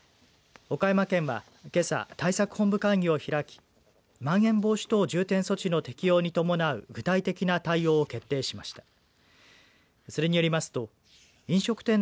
岡山県は、けさ対策本部会議を開きまん延防止等重点措置の適用に伴う具体的な対応を決定しました。